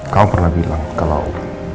kamu pernah bilang kalau